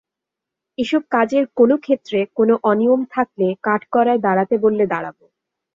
এসব কাজের কোনো ক্ষেত্রে কোনো অনিয়ম থাকলে কাঠগড়ায় দাঁড়াতে বললে দাঁড়াব।